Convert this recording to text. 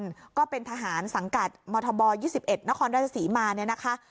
ก็เป็นทหารสังกัดมศยี่สิบเอ็ดนครราชสีมาเนี่ยนะคะ